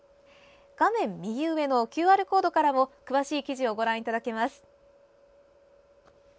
画面右上のＱＲコードからも詳しい記事をご覧いただけます。